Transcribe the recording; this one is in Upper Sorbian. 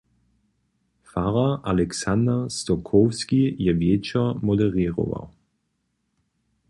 Farar Alexander Stokowski je wječor moderěrował.